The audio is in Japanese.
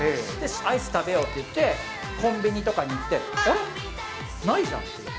アイス食べようっていって、コンビニとかに行って、あれっ？ないじゃん。